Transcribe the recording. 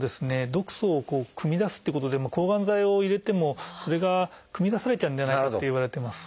毒素をくみ出すっていうことで抗がん剤を入れてもそれがくみ出されちゃうんじゃないかっていわれてます。